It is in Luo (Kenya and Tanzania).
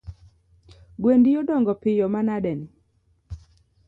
Gwendi odongo piyo manadeni!